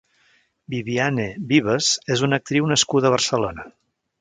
Viviane Vives és una actriu nascuda a Barcelona.